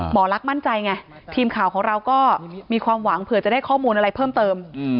ลักษณมั่นใจไงทีมข่าวของเราก็มีความหวังเผื่อจะได้ข้อมูลอะไรเพิ่มเติม